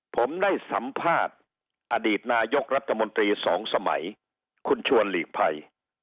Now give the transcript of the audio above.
ผมได้สัมภาษณ์อดีตนายกรัฐมนตรีสองสมัยคุณชวนหลีกภัย